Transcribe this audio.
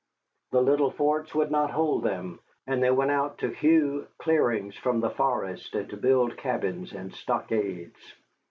The little forts would not hold them; and they went out to hew clearings from the forest, and to build cabins and stockades.